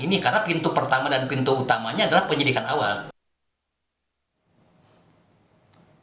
karena pintu pertama dan pintu utamanya adalah penyidikan awal